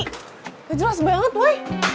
gak jelas banget woy